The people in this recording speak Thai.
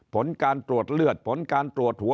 ผลการตรวจเลือดผลการตรวจหัว